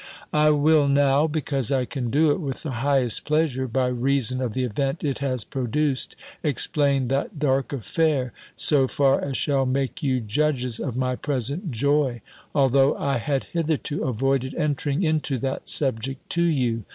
I will now (because I can do it with the highest pleasure, by reason of the event it has produced), explain that dark affair so far as shall make you judges of my present joy: although I had hitherto avoided entering into that subject to you.